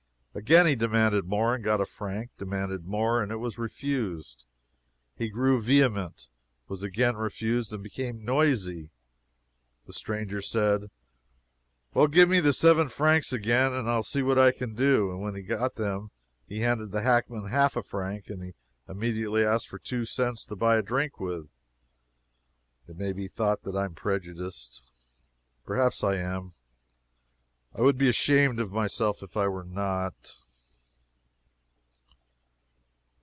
Again he demanded more, and got a franc demanded more, and it was refused. He grew vehement was again refused, and became noisy. The stranger said, "Well, give me the seven francs again, and I will see what I can do" and when he got them, he handed the hackman half a franc, and he immediately asked for two cents to buy a drink with. It may be thought that I am prejudiced. Perhaps I am. I would be ashamed of myself if I were not.